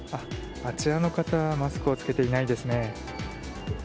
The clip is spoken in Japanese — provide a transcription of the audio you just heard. あちらの方マスクを着けていないですね。